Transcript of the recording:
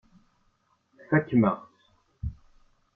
Tfakemt-aɣ-tt.